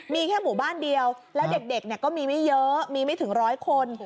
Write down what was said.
มีแค่หมู่บ้านเดียวแล้วเด็กก็มีไม่เยอะมีไม่ถึงร้อยคน